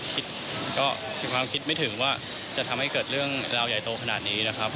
คิดก็มีความคิดไม่ถึงว่าจะทำให้เกิดเรื่องราวใหญ่โตขนาดนี้นะครับ